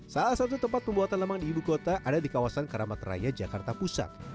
salah satu tempat pembuatan lemang di ibu kota ada di kawasan keramat raya jakarta pusat